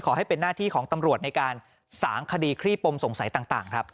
ให้เป็นหน้าที่ของตำรวจในการสางคดีคลี่ปมสงสัยต่างครับ